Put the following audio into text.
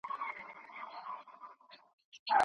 تاسي چي سئ بیا به وګورو.